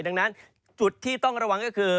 ดังนั้นจุดที่ต้องระวังก็คือ